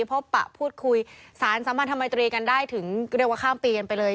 พบปะพูดคุยสารสัมพันธมัยตรีกันได้ถึงเรียกว่าข้ามปีกันไปเลย